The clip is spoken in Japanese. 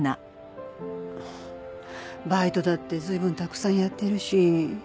バイトだって随分たくさんやってるし。